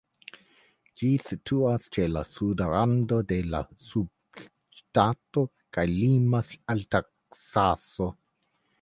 Ĝi situas ĉe la suda rando de la subŝtato kaj limas al Teksaso.